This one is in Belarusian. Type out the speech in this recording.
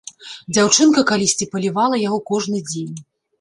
Дзяўчынка калісьці палівала яго кожны дзень.